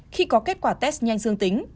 khi có kết quả test nhanh xương tính